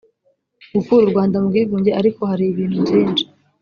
gukura u rwanda mu bwigunge ariko hari ibintu byinshi